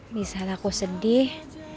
bisa laku sedih